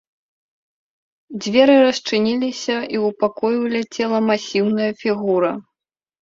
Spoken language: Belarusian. Дзверы расчыніліся і ў пакой уляцела массіўная фігура.